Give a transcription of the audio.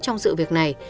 trong sự việc này